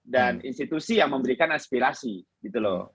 dan institusi yang memberikan aspirasi gitu loh